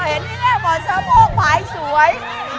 เห็นกินแรกหมดเส้นโม่งหวายสวย